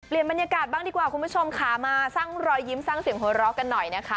บรรยากาศบ้างดีกว่าคุณผู้ชมค่ะมาสร้างรอยยิ้มสร้างเสียงหัวเราะกันหน่อยนะคะ